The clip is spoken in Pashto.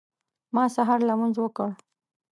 ما سهار لمونځ وکړ.